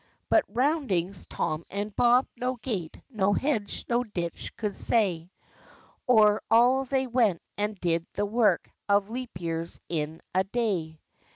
But Roundings, Tom and Bob, no gate, Nor hedge, nor ditch, could stay; O'er all they went, and did the work Of leap years in a day.